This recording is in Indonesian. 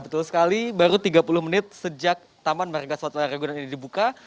betul sekali baru tiga puluh menit sejak taman warga suat raya ragunan ini dibuka